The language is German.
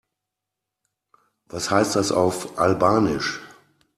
Was heißt das auf Albanisch?